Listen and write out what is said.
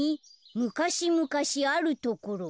「むかしむかしあるところ。